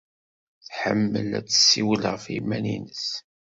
Tḥemmel ad tessiwel ɣef yiman-nnes.